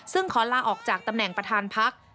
ซึ่งขอลาออกจากตำแหน่งประธานพัก